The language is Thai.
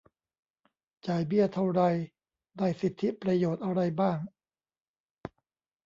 จ่ายเบี้ยเท่าไร ได้สิทธิประโยชน์อะไรบ้าง